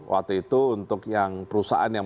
waktu itu untuk yang perusahaan yang